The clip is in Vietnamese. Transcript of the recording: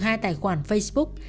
hai tài khoản facebook